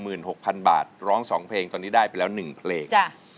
๑หมื่น๖พันบาทร้อง๒เพลงตอนนี้ได้ไปแล้ว๑เพลง